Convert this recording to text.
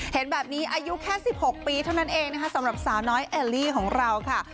เห็นแบบนี้อายุแค่๑๖ปีเท่านั้นเองนะคะสำหรับสาวน้อยแอลลี่ของเราค่ะ